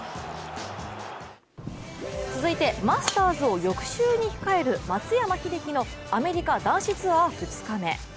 続いてマスターズを翌週に控える松山英樹のアメリカ男子ツアー２日目。